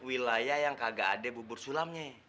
wilayah yang kagak ada bubur sulamnya